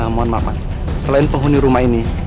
mohon maaf mas selain penghuni rumah ini